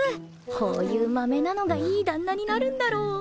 こういうまめなのがいい旦那になるんだろう